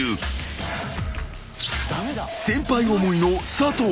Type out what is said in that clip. ［先輩思いの佐藤。